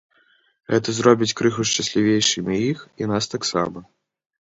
Гэта зробіць крыху шчаслівейшымі іх і нас таксама.